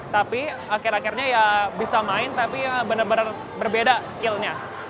tapi akhir akhirnya ya bisa main tapi ya bener bener berbeda skillnya